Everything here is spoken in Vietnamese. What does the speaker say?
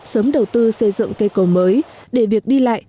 sớm đầu tư xây dựng cây cầu mới để việc đi lại